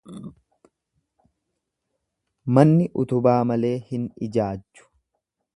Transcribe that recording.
Manni utubaa malee hin ijaajju.